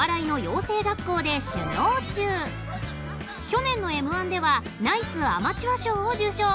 去年のＭ−１ではナイスアマチュア賞を受賞。